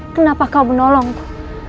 kenapa kau menolongku